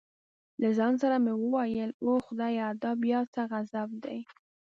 له ځان سره مې وویل اوه خدایه دا بیا څه غضب دی.